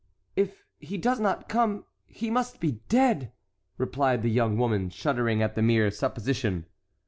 "If he does not come, he must be dead!" replied the young woman, shuddering at the mere supposition.